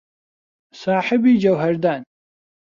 ساحێبی جەوهەردارن.